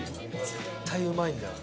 絶対うまいんだよ。